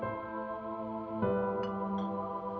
gak ada yang bisa dihukum